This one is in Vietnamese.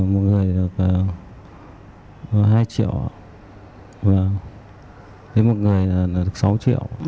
một người được hai triệu một người được sáu triệu